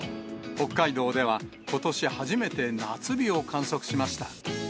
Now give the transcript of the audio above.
北海道では、ことし初めて夏日を観測しました。